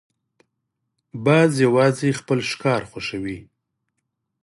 باز یوازې خپل ښکار خوښوي